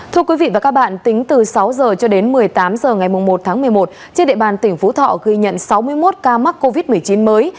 thưa quý vị và các bạn tính từ sáu h cho đến một mươi tám h ngày một tháng một mươi một trên địa bàn tỉnh phú thọ ghi nhận sáu mươi một ca mắc covid một mươi chín mới